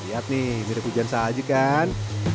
lihat nih mirip hujan sahaji kan